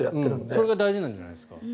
それが大事なんじゃないですか？